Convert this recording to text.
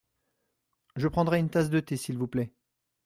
Je prendrai une tasse de thé s’il vous plait.